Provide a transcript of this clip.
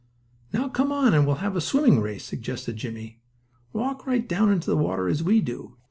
"Now come on and we'll have a swimming race," suggested Jimmie. "Walk right down into the water as we do.